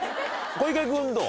小池君どう？